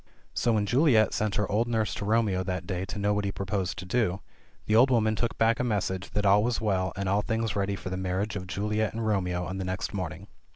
So when Juliet sent her old nurse to Romeo that day to know what he purposed to do, the ol3 woman took back a message that all was well, and all things ready for the marriage of Juliet and Romeo on the next morning.